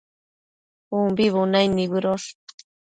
umbi bunaid nibëdosh